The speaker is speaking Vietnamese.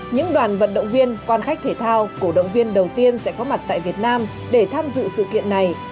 những đoàn vận động viên quan khách thể thao cổ động viên đầu tiên sẽ có mặt tại việt nam để tham dự sự kiện này